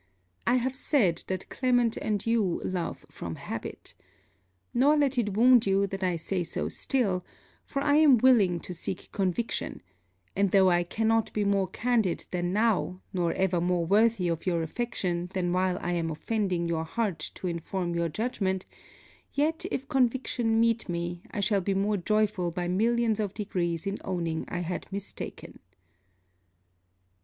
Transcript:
I have said that Clement and you love from habit. Nor let it wound you that I say so still; for I am willing to seek conviction, and though I cannot be more candid than now, nor ever more worthy of your affection than while I am offending your heart to inform your judgment, yet if conviction meet me, I shall be more joyful by millions of degrees in owning I had mistaken.